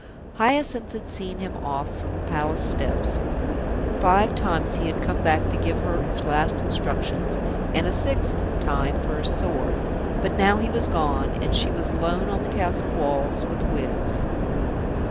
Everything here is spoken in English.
Hyacinth had seen him off from the Palace steps. Five times he had come back to give her his last instructions, and a sixth time for his sword, but now he was gone, and she was alone on the castle walls with Wiggs.